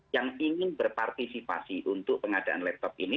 yang ingin berpartisipasi untuk pengadaan laptop ini